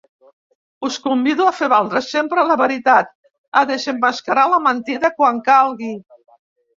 Us convido a fer valdre sempre la veritat, a desemmascarar la mentida quan calgui.